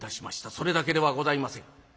それだけではございません。